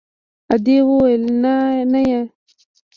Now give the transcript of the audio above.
ادې وويل نانيه.